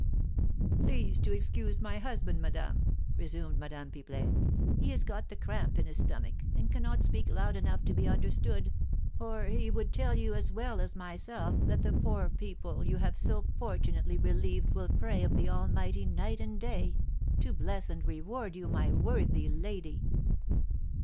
"Please to excuse my husband, madame," resumed Madame Pipelet; "he has got the cramp in his stomach, and cannot speak loud enough to be understood, or he would tell you as well as myself that the poor people you have so fortunately relieved will pray of the Almighty, night and day, to bless and reward you, my worthy lady."